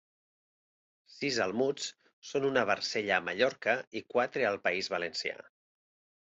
Sis almuds són una barcella a Mallorca i quatre al País Valencià.